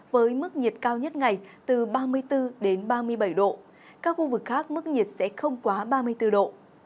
với mức nhiệt cao nhất ngày từ ba mươi bốn ba mươi bảy độ các khu vực khác mức nhiệt sẽ không quá ba mươi bốn độ